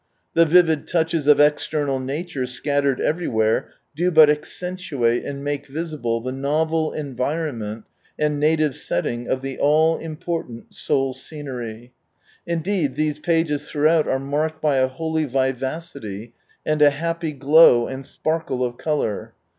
The vivid touches of external nature scattered everywhere do but accentuate and make visible the novel environment and native setting of the all important soul scenery ; indeed these pages throughout are marked by a holy vivacity and a happy glow and sparkle of colour.